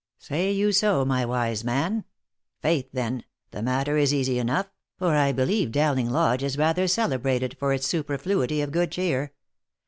" Say you so, my wise man! Faith, then, the matter is easy enough, for I believe Dowling Lodge is rather celebrated for its su perfluity of good cheer.